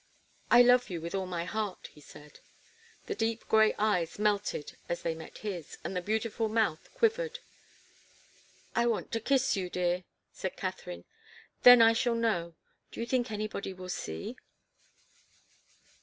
"I love you with all my heart," he said. The deep grey eyes melted as they met his, and the beautiful mouth quivered. "I want to kiss you, dear," said Katharine. "Then I shall know. Do you think anybody will see?"